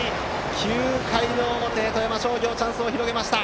９回の表、富山商業はチャンスを広げました。